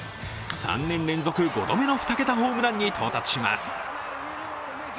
３年連続５度目の２桁ホームランに到達します。